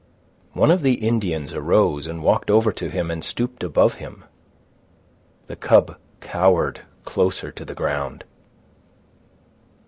One of the Indians arose and walked over to him and stooped above him. The cub cowered closer to the ground.